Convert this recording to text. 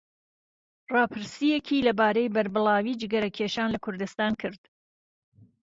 راپرسییەكی لەبارەی بەربڵاویی جگەرەكێشان لە كوردستان كرد.